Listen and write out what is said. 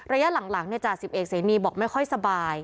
ระยะหลังจ่าสิบเอกเสนีบอกไม่ค่อยสบาย